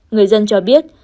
người dân cho biết